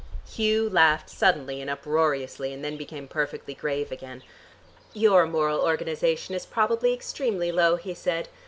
Hugh laughed suddenly and uproariously and then became perfectly grave again. "Your moral organization is probably extremely low," he said.